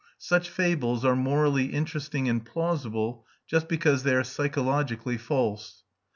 Such fables are morally interesting and plausible just because they are psychologically false.